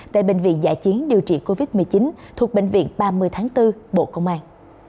tại bệnh viện giải chiến điều trị covid một mươi chín thuộc bệnh viện ba mươi tháng bốn bộ công an